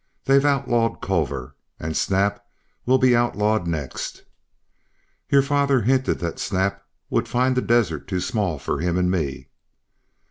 They've outlawed Culver, and Snap will be outlawed next." "Your father hinted that Snap would find the desert too small for him and me?"